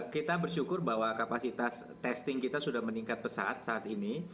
kita bersyukur bahwa kapasitas testing kita sudah meningkat pesat saat ini